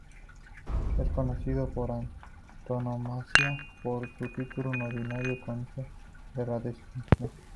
Es conocido por antonomasia por su título nobiliario "Conde de Rodezno".